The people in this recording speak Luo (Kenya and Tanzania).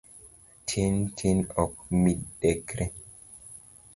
Tin tin ok midekre.